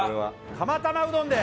釜玉うどんで！